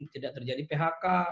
tidak terjadi phk